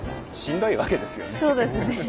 しんどいわけですよね。